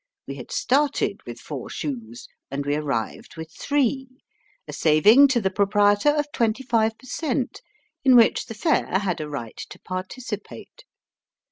We had started with four shoes, and we arrived with three, a saving to the pro prietor of twenty five per cent., in which the fare had a right to participate.